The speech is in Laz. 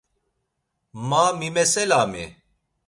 Ma mimeselam-i?